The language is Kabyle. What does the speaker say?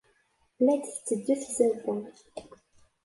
La d-tetteddu tzawwa.